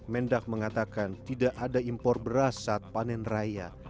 mendak mengatakan tidak ada impor beras saat panen raya